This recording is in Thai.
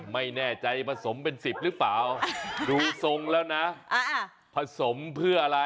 ไม่แน่ใจผสมเป็น๑๐หรือเปล่าดูทรงแล้วนะผสมเพื่ออะไร